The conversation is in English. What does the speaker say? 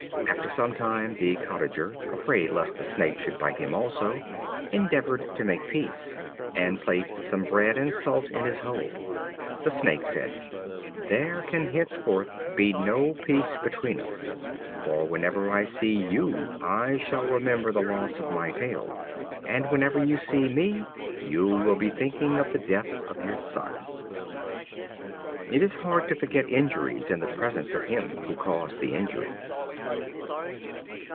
After some time, the Cottager, afraid lest the Snake should bite him also, endeavored to make peace, and placed some bread and salt in his hole. The Snake said: "There can henceforth be no peace between us; for whenever I see you I shall remember the loss of my tail, and whenever you see me you will be thinking of the death of your son." It is hard to forget injuries in the presence of him who caused the injury.